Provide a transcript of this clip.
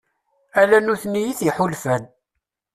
Ala nutni i t-iḥulfan.